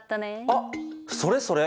あっそれそれ。